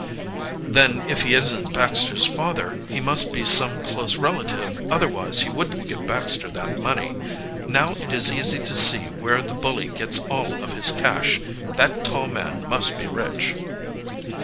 "Then, if he isn't Baxter's father, he must be some close relative, otherwise he wouldn't give Baxter that money. Now it is easy to see where the bully gets all of his cash. That tall man must be rich."